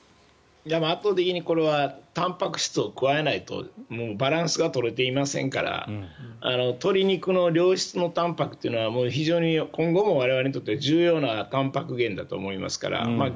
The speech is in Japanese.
圧倒的にたんぱく質を加えないともうバランスが取れていませんから鶏肉の良質のたんぱくというのは今後も我々にとっては重要なたんぱく源だと思いますから。